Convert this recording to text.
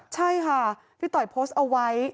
ใช่ค่ะพี่ต่อยโพสต์เอาไว้